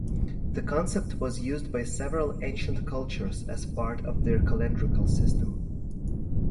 The concept was used by several ancient cultures as part of their calendrical system.